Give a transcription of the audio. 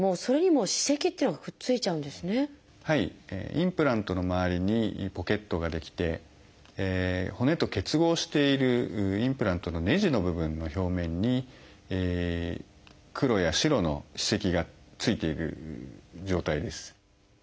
インプラントの周りにポケットが出来て骨と結合しているインプラントのねじの部分の表面に黒や白の歯石がついている状態です。